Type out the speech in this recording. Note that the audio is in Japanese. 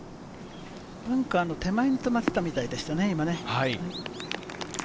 バンカーの手前に止まっていたみたいでしたね。